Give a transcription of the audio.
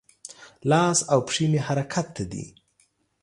لاس او پښې مې حرکت ته دي.